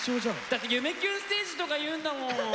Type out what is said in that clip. だって「夢キュンステージ」とか言うんだもん！